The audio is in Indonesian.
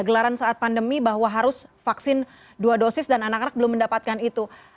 gelaran saat pandemi bahwa harus vaksin dua dosis dan anak anak belum mendapatkan itu